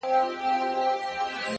باندي شعرونه ليكم!!